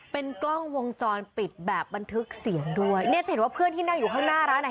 เป็นกล้องวงจรปิดแบบบันทึกเสียงด้วยเนี่ยจะเห็นว่าเพื่อนที่นั่งอยู่ข้างหน้าร้านอ่ะ